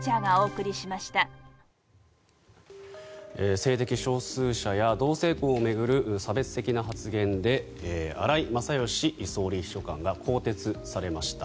性的少数者や同性婚を巡る差別的な発言で荒井勝喜前総理秘書官が更迭されました。